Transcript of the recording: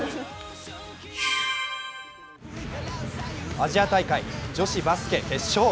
アジア大会女子バスケ決勝。